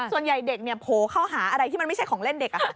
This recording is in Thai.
ส่วนใหญ่เด็กเนี่ยโผล่เข้าหาอะไรที่มันไม่ใช่ของเล่นเด็ก